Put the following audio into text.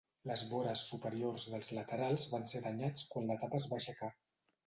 Les vores superiors dels laterals van ser danyats quan la tapa es va aixecar.